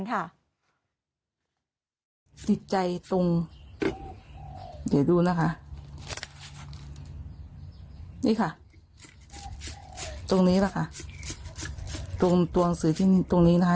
นี่ใจตรงเดี๋ยวดูนะคะนี่ค่ะตรงนี้แหละค่ะตรงตัวหนังสือที่ตรงนี้นะคะ